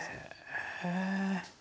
へえ。